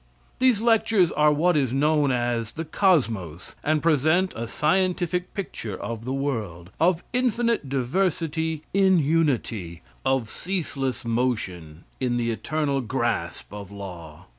These lectures are what is known as the Cosmos, and present a scientific picture of the world of infinite diversity in unity; of ceaseless motion in the eternal grasp of law.